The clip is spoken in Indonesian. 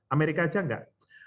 amerika aja enggak